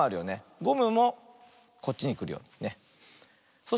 ゴムもこっちにくるように。